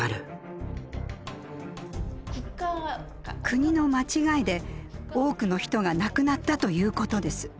国の間違いで多くの人が亡くなったということです。